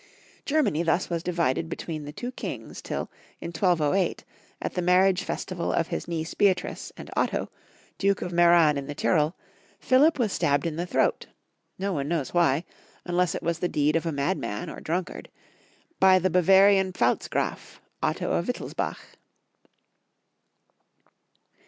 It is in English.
Germany thus was divided between the two kings till, in 1208, at the marriage festival of liis niece Beatrice and Otto, Duke of Meran in the Tyrol, Philip was stabbed in the throat — no one knows why, unless it was the deed of a madman or drunk ard — by the Bavarian Pfalzgraf, Otto of Wittels bach.